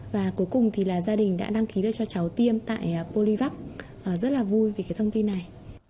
và cuối cùng thì là gia đình đã đăng ký lại cho cháu tiêm tại polivac rất là vui vì cái thông tin này